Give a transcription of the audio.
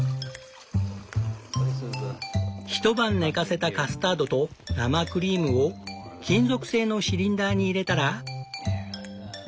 一晩寝かせたカスタードと生クリームを金属製のシリンダーに入れたら。